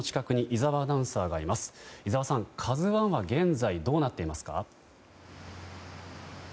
井澤さん、「ＫＡＺＵ１」は現在どうなっていますか？